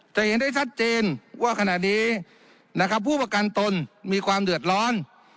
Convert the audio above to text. จะเห็นได้ชัดเจนว่าขณะนี้นะครับผู้ประกันตนมีความเดือดร้อน